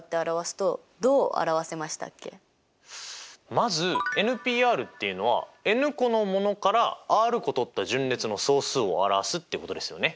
まずｎＰｒっていうのはｎ個のものからｒ個とった順列の総数を表すってことですよね。